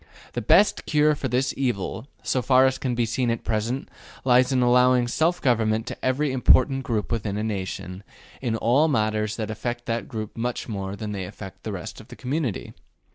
The best cure for this evil, so far as can be seen at present, lies in allowing self government to every important group within a nation in all matters that affect that group much more than they affect the rest of the community.